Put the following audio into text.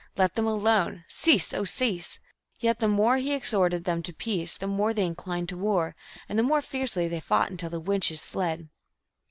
Let them alone ! Cease, oh cease !" Yet the more he ex horted them to peace the more they inclined to war, and the more fiercely they fought, until the witches tied.